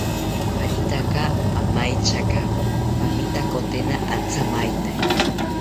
Paretaka amaityaka pamitakotena athamaite